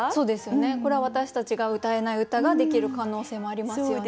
これは私たちがうたえない歌ができる可能性もありますよね。